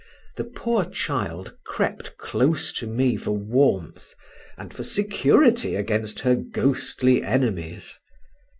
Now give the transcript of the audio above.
The poor child crept close to me for warmth, and for security against her ghostly enemies.